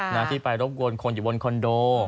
นะที่ไปรบกวนคนอยู่บนคอนโด